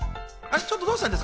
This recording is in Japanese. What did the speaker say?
ちょっとどうしたんですか？